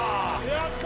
やった！